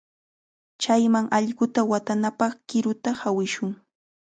Chayman allquta watanapaq qiruta hawishun.